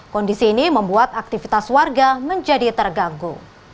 kondisi ini membuat aktivitas warga menjadi terganggu